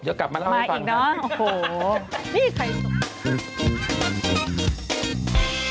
เดี๋ยวกลับมาเล่าให้ฟังก่อนโอ้โฮพี่ใครส่ง